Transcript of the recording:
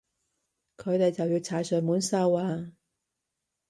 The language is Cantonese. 佢哋就要踩上門收啊